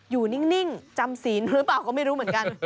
อยู่นิ่งจำศีลหรือเปล่าก็ไม่รู้เหมือนกัน